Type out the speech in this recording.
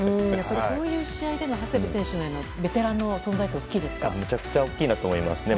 こういう試合での長谷部選手のベテランのめちゃくちゃ大きいですね。